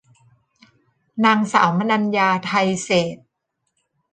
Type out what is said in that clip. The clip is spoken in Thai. นางสาวมนัญญา ไทยเศรษฐ์